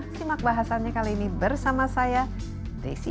simak bahasannya kali ini bersama saya desi